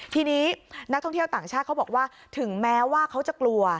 ทีนี้นักท่องเที่ยวต่างชาติเขาบอกว่าถึงแม้ว่าเขาจะกลัว